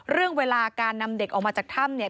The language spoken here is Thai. เรื่องเวลาการนำเด็กออกมาจากถ้ำเนี่ย